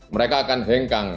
mereka akan hengkang